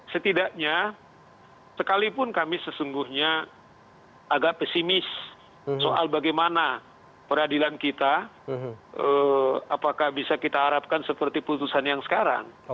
setidaknya sekalipun kami sesungguhnya agak pesimis soal bagaimana peradilan kita apakah bisa kita harapkan seperti putusan yang sekarang